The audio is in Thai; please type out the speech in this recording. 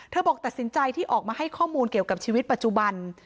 บอกตัดสินใจที่ออกมาให้ข้อมูลเกี่ยวกับชีวิตปัจจุบัน